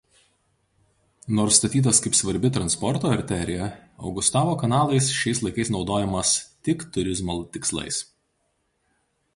Nors statytas kaip svarbi transporto arterija Augustavo kanalais šiais laikais naudojamas tik turizmo tikslais.